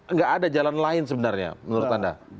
nggak ada jalan lain sebenarnya menurut anda